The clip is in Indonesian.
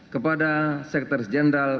kepada sekretaris jeneral